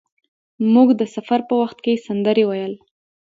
موږ د سفر په وخت کې سندرې ویل.